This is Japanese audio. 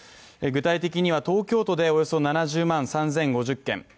具体的には東京都でおよそ７０万３０５０軒